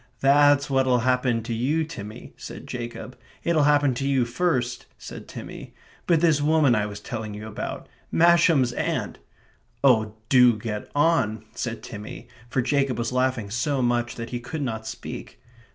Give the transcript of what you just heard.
"That's what'll happen to you, Timmy," said Jacob. "It'll happen to you first," said Timmy. "But this woman I was telling you about Masham's aunt " "Oh, do get on," said Timmy, for Jacob was laughing so much that he could not speak.